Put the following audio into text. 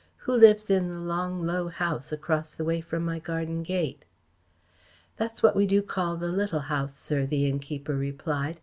Who lives in the long, low house across the way from my garden gate?" "That's what we do call the Little House, sir," the innkeeper replied.